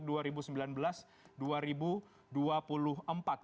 kemudian juga terpilih lagi untuk dua ribu sembilan belas dua ribu dua puluh